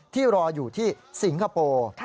รออยู่ที่สิงคโปร์